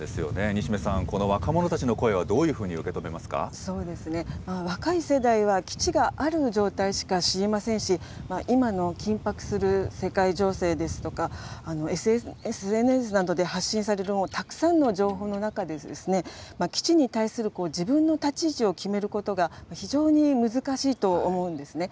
西銘さん、この若者たちの声はど若い世代は、基地がある状態しか知りませんし、今の緊迫する世界情勢ですとか、ＳＮＳなどで発信されるたくさんの情報の中で、基地に対する自分の立ち位置を決めることが、非常に難しいと思うんですね。